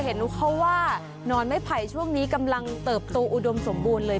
เห็นเขาว่านอนไม่ไผ่ช่วงนี้กำลังเติบโตอุดมสมบูรณ์เลย